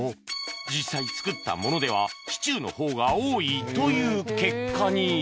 実際作ったものではシチューの方が多いという結果に